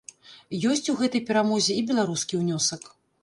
Ёсць у гэтай перамозе і беларускі ўнёсак.